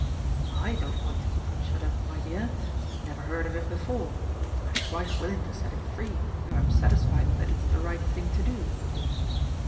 "I don't want to keep him shut up, my dear. Never heard of him before. I am quite willing to set him free if I am satisfied that it's the right thing to do."